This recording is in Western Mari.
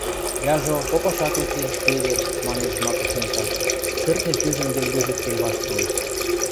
— Яжо, попашат уке, цевер, — манеш Жмаков Миша, шӧртньӹ пӱжӹм йӹлгӹжӹктен ваштылеш.